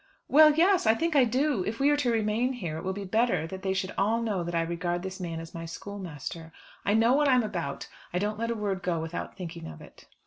"Well, yes, I think I do. If we are to remain here it will be better that they should all know that I regard this man as my schoolmaster. I know what I'm about; I don't let a word go without thinking of it."